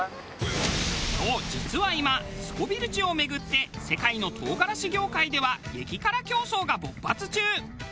そう実は今スコヴィル値をめぐって世界の唐辛子業界では激辛競争が勃発中！